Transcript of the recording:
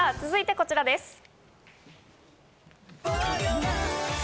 続いてこちらです。